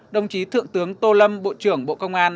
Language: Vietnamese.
đồng chí thượng tướng tô lâm bộ trưởng bộ công an